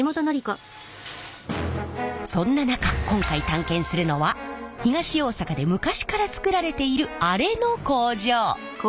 そんな中今回探検するのは東大阪で昔から作られているあれの工場。